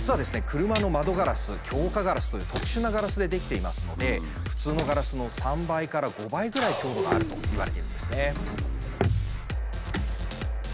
車の窓ガラス強化ガラスという特殊なガラスで出来ていますので普通のガラスの３倍から５倍ぐらい強度があるといわれているんですね。